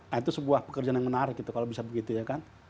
nah itu sebuah pekerjaan yang menarik gitu kalau bisa begitu ya kan